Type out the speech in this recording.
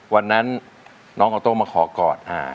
วันนั้นน้องออโต้มาขอกอด